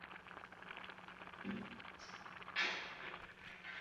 Účel stavby je nejasný.